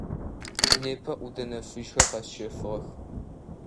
Непэ ӏудэнэ фыжьхэр къэсщэфыгъэх.